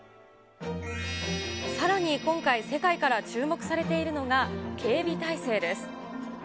さらに今回、世界から注目されているのが警備態勢です。